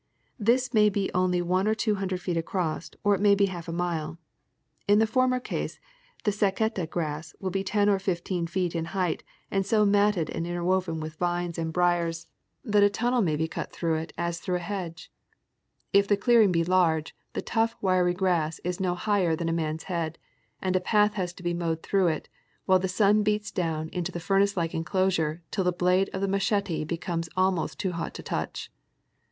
This may be only ■one or two hundred feet across or it may be a half a mile. In the former case the " saccate " grass will be ten or fifteen feet in lieight and so matted and interwoven with vines and briars Ac7'oss Nicaragim with Transit and Machete. 323 that a tunnel may be cut through it as through a hedge. If the clearing be large, the tough, wiry grass is no higher than a man's head, and a path has to be mowed through it, while the sun beats down into the fui nace like enclosure till the blade of the machete becomes almost too hot to touch.